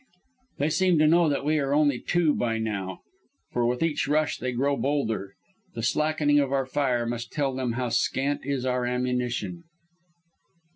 "They seem to know that we are only two by now, for with each rush they grow bolder. The slackening of our fire must tell them how scant is our ammunition.